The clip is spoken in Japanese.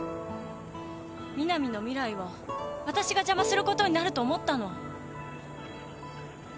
南の未来を私が邪魔することになると思ったの。